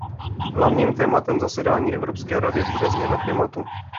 Hlavním tématem zasedání Evropské rady bude změna klimatu.